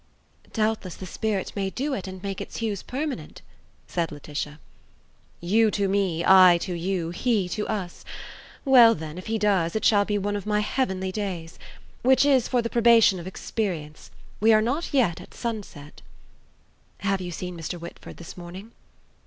"Doubtless the spirit may do it and make its hues permanent," said Laetitia. "You to me, I to you, he to us. Well, then, if he does, it shall be one of my heavenly days. Which is for the probation of experience. We are not yet at sunset." "Have you seen Mr. Whitford this morning?"